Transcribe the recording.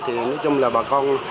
thì nói chung là bà con